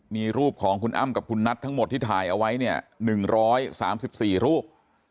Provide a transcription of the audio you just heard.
มีรูปของคุณอ้ำกับคุณนัททั้งหมดที่ถ่ายเอาไว้เนี่ย๑๓๔รูป